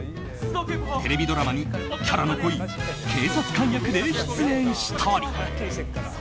テレビドラマにキャラの濃い警察官役で出演したり。